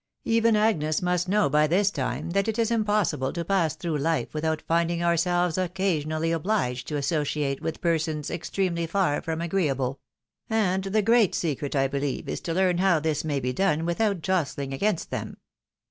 Even Agnes must know by this time that it is impossible to pass through Life without finding ourselves occasionally obliged to associate with persons extremely far from agreeable ; and the great secret I believe is, to learn how this may be done without josthng against them."